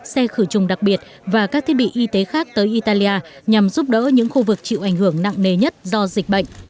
xe khử trùng đặc biệt và các thiết bị y tế khác tới italia nhằm giúp đỡ những khu vực chịu ảnh hưởng nặng nề nhất do dịch bệnh